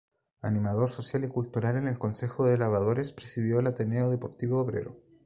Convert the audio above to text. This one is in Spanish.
Animador social y cultural en el concejo de Lavadores, presidió el Ateneo Deportivo Obrero.